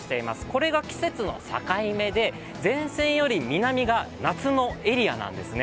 これが季節の境目で前線より南が夏のエリアなんですね。